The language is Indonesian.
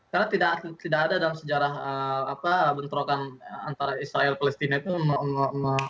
karena tidak ada dalam sejarah bentrokan antara israel dan palestina itu